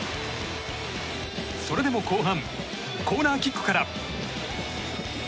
それでも後半コーナーキックから。